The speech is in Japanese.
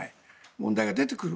問題が出てくる。